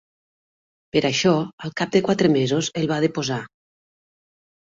Per això al cap de quatre mesos el va deposar.